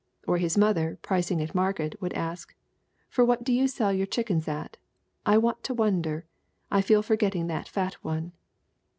Or his mother, pricing at market, would ask, 'For what do you sell your chickens at? I want to wonder. I feel for getting that fat one.'